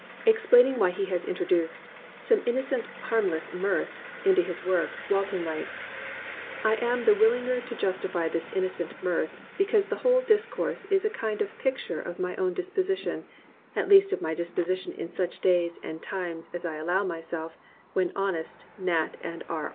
Explaining why he has intro duced "some innocent harmless mirth" into his work, Walton writes: "I am the willinger to justify this innocent mirth because the whole discourse is a kind of picture of my own disposition, at least of my disposition in such days and times as I allow myself, when honest Nat. and R.